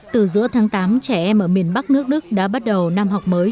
từ giữa tháng tám trẻ em ở miền bắc nước đức đã bắt đầu năm học mới